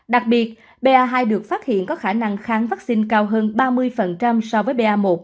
đặc biệt ba hai được phát hiện có khả năng kháng vaccine cao hơn ba mươi so với ba một